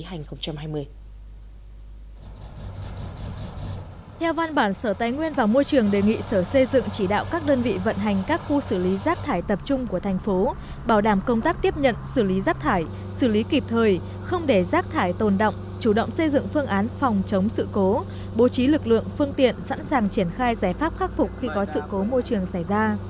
theo văn bản sở tái nguyên và môi trường đề nghị sở xây dựng chỉ đạo các đơn vị vận hành các khu xử lý rác thải tập trung của thành phố bảo đảm công tác tiếp nhận xử lý rác thải xử lý kịp thời không để rác thải tồn động chủ động xây dựng phương án phòng chống sự cố bố trí lực lượng phương tiện sẵn sàng triển khai giải pháp khắc phục khi có sự cố môi trường xảy ra